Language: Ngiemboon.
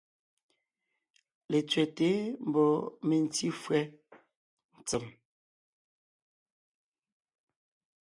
Letsẅɛ́te mbɔɔ mentí fÿɛ́ ntsèm.